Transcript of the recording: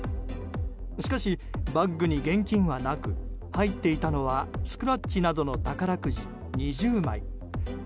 しかし、バッグに現金はなく入っていたのはスクラッチなどの宝くじ２０枚。